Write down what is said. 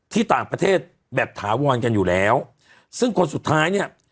ที่ต่างประเทศแบบถาวรกันอยู่แล้วซึ่งคนสุดท้ายเนี่ย